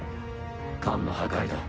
缶の破壊だ。